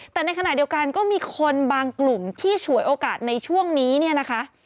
แต่ในขณะเดียวกันก็มีคนบางกลุ่มที่ฉวยโอกาสในช่วงนี้เนี่ยนะคะ